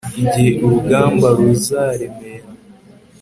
igihe urugamba ruzaremera